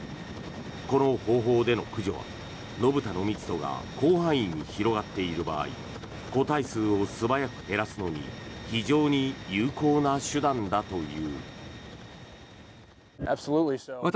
この方法での駆除は野豚の密度が広範囲に広がっている場合個体数を素早く減らすのに非常に有効な手段だという。